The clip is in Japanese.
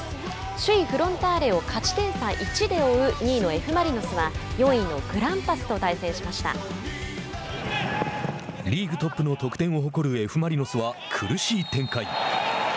首位フロンターレを勝ち点差１で追う２位のＦ・マリノスは４位のグランパスとリーグトップの得点を誇るＦ・マリノスは苦しい展開。